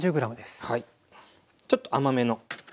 ちょっと甘めの。